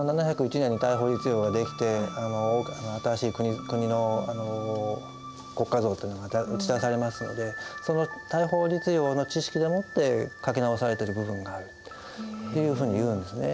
７０１年に大宝律令が出来て新しい国の国家像というのが打ち出されますのでその大宝律令の知識でもって書き直されてる部分があるっていうふうにいうんですね。